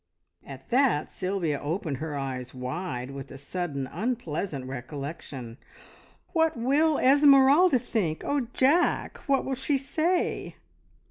At that Sylvia opened her eyes wide, with a sudden unpleasant recollection. "What will Esmeralda think? Oh, Jack, what will she say?"